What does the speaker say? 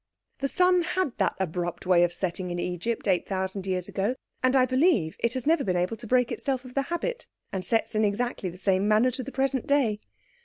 The sun had that abrupt way of setting in Egypt eight thousand years ago, and I believe it has never been able to break itself of the habit, and sets in exactly the same manner to the present day.